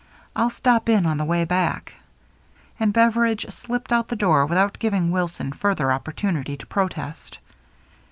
I'll stop in on the way back." And Beveridge slipped out the door without giving Wilson further opportu nity to protest.